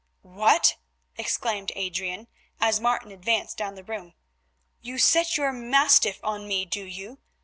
"What!" exclaimed Adrian, as Martin advanced down the room, "you set your mastiff on me, do you?